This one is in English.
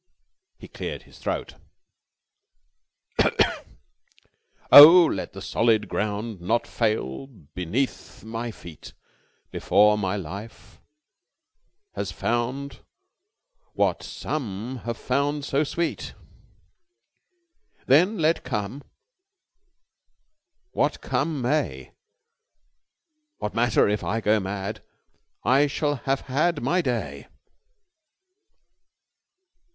He cleared his throat. "'Oh let the solid ground Not fail beneath my feet Before my life has found What some have found so sweet; Then let come what come may, What matter if I go mad, I shall have had my day.